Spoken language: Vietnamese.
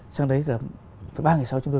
sang đấy là phải ba ngày sau chúng tôi